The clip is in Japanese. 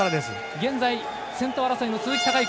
現在、先頭争いの鈴木孝幸。